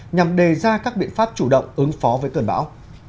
nhằm đề ra các biện pháp chủ động ứng phó với cơn bão